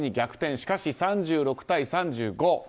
しかし３６対３５。